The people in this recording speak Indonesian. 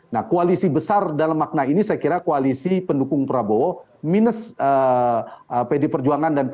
nah koalisi besar dalam makna ini saya kira koalisi pendukung prabowo minus pd perjuangan dan p tiga